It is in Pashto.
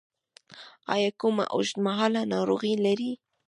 ایا کومه اوږدمهاله ناروغي لرئ؟